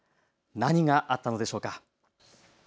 何があったのでしょうか。